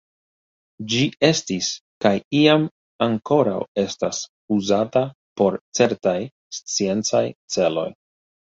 Ĝi estis, kaj iam ankoraŭ estas, uzata por certaj sciencaj celoj.